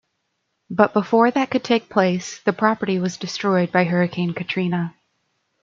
But before that could take place, the property was destroyed by Hurricane Katrina.